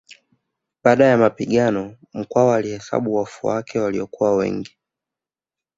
Baada ya mapigano Mkwawa alihesabu wafu wake waliokuwa wengi